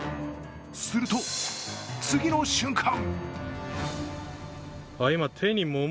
すると次の瞬間